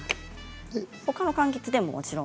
他のかんきつでももちろん。